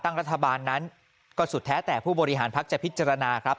ตั้งรัฐบาลนั้นก็สุดแท้แต่ผู้บริหารพักจะพิจารณาครับ